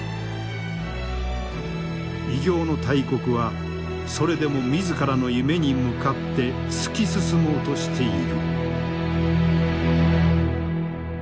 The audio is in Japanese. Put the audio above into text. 異形の大国はそれでも自らの夢に向かって突き進もうとしている。